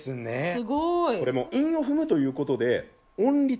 すごい。